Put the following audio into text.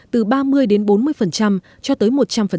từ ba mươi đến bốn mươi cho tới một trăm linh